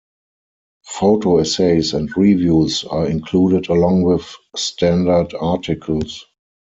Photo essays and reviews are included along with standard articles.